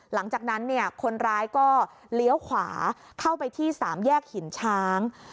หลังจากนั้นเนี่ยคนร้ายก็เลี้ยวขวาเข้าไปที่สามแยกหินช้าง